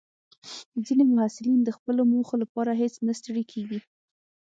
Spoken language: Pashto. ځینې محصلین د خپلو موخو لپاره هیڅ نه ستړي کېږي.